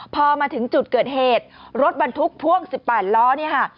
พอมาถึงจุดเกิดเหตุรถบรรทุกพ่วง๑๘ล้อเนี่ยค่ะ